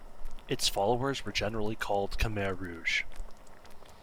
Its followers were generally called "Khmer Rouge".